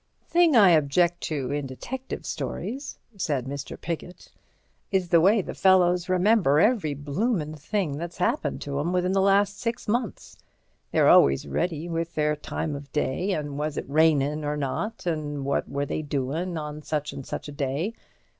"Thing I object to in detective stories," said Mr. Piggott, "is the way fellows remember every bloomin' thing that's happened to 'em within the last six months. They're always ready with their time of day and was it rainin' or not, and what were they doin' on such an' such a day.